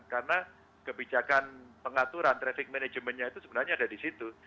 karena kebijakan pengaturan traffic managementnya itu sebenarnya ada di situ